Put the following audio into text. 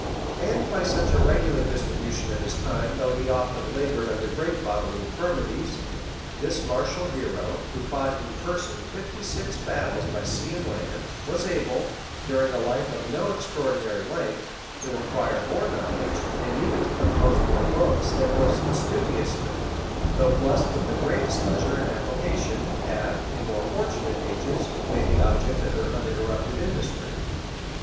And by such a regular distribution of his time though he often labored under great bodily infirmities,[] this martial hero, who fought in person fifty six battles by sea and land,[] was able, during a life of no extraordinary length, to acquire more knowledge, and even to compose more books, than most studious men, though blessed with the greatest leisure and application, have, in more fortunate ages, made the object of their uninterrupted industry.